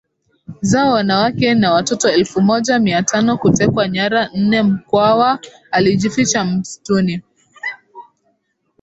zao wanawake na watoto elfu moja mia tano kutekwa nyara nneMkwawa alijificha msituni